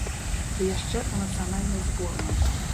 Ды яшчэ ў нацыянальнай зборнай!